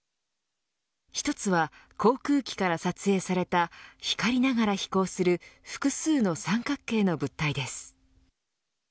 １つは航空機から撮影された光りながら飛行する複数の三角形の物体です。